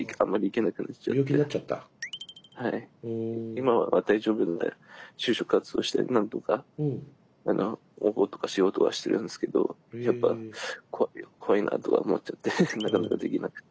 今は大丈夫で就職活動して何とか応募とかしようとはしてるんですけどやっぱ怖いなとか思っちゃってなかなかできなくて。